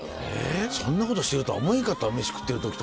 そんなことしてるとは思えんかった飯食ってる時とか。